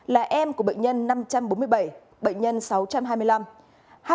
là em của bệnh nhân năm trăm bốn mươi bảy bệnh nhân sáu trăm hai mươi năm